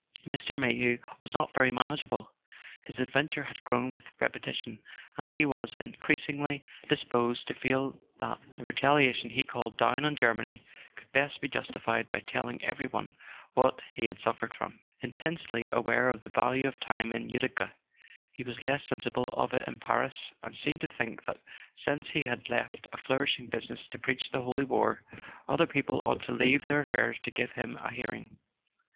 Mr. Mayhew was not very manageable. His ad¬ venture had grown with repetition, and he was in¬ creasingly disposed to feel that the retaliation he called down on Germany could best be justified by telling every one what he had suffered from* her. Intensely aware of the value of time in Utica, he was less sensible of it in Paris, and seemed to think that, since he had left a flourishing business to preach the Holy War, other people ought to leave their affairs to give him a hearing.